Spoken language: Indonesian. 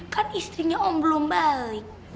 kan istrinya om belum balik